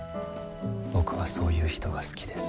僕はそういう人が好きです。